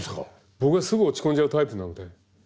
僕はすぐ落ち込んじゃうタイプなので。